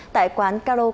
tại quán cảnh sát